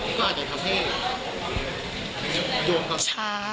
นึกว่าอาจจะทำให้